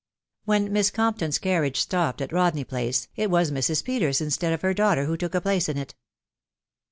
" When Miss Compton's carriage stopped at Rodney Place, it was Mrs. Peters, instead of her daughter, who took a place in at.